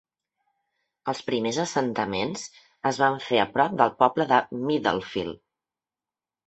Els primers assentaments es van fer a prop del poble de Middlefield.